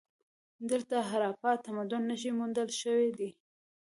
دلته د هراپا تمدن نښې موندل شوي دي